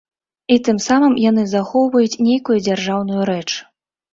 І тым самым яны захоўваюць нейкую дзяржаўную рэч.